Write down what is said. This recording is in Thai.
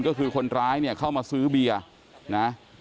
ก็คือคนร้ายเข้ามาซื้อเบียร์